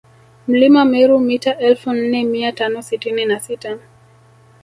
Mlima Meru mita elfu nne mia tano sitini na sita